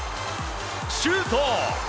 シュート！